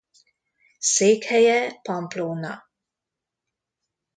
Székhelye Pamplona.